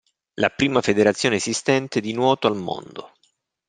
La prima federazione esistente di nuoto al mondo.